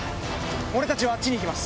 俺たちはあっちに行きます。